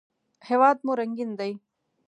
هېواد مو رنګین دی